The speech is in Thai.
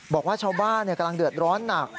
บอกว่าชาวบ้านกำลังเดือดร้อนหนัก